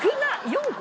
４個？